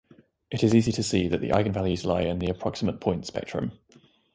It is easy to see that the eigenvalues lie in the approximate point spectrum.